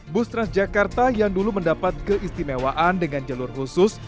bus transjakarta yang dulu mendapat keistimewaan dengan jalur khusus